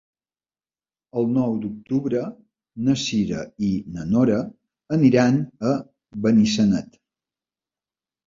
El nou d'octubre na Cira i na Nora aniran a Benissanet.